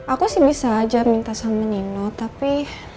aku sih bisa aja minta sama nino tapi